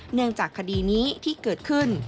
เนื่องจากคดีนี้ที่เกิดขึ้น